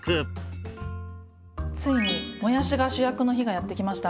ついにもやしが主役の日がやって来ました。